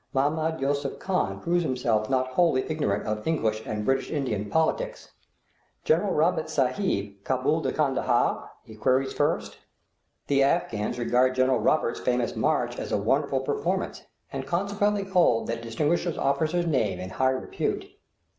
Mahmoud Yusuph Khan proves himself not wholly ignorant of English and British Indian politics. "General Roberts Sahib, Cabool to Kandahar?" he queries first. The Afghans regard General Roberts' famous march as a wonderful performance, and consequently hold that distinguished officer's name in high repute.